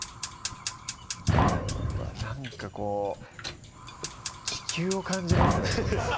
うわなんかこう地球を感じますね